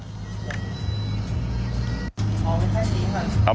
อ๋อไม่ใช่ดีค่ะ